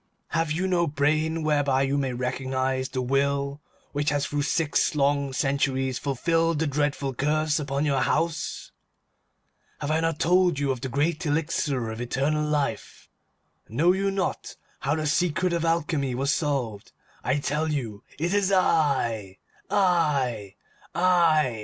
Have you no brain whereby you may recognize the will which has through six long centuries fulfilled the dreadful curse upon your house? Have I not told you of the great elixir of eternal life? Know you not how the secret of Alchemy was solved? I tell you, it is I! I! I!